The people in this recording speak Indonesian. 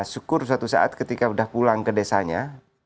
syukur suatu saat ketika udah pulang ke desanya